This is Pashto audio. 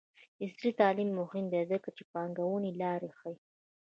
عصري تعلیم مهم دی ځکه چې د پانګونې لارې ښيي.